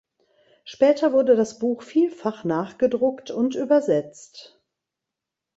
Später wurde das Buch vielfach nachgedruckt und übersetzt.